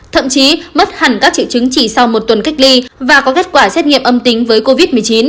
thậm chí mất hẳn các triệu chứng chỉ sau một tuần cách ly và có kết quả xét nghiệm âm tính với covid một mươi chín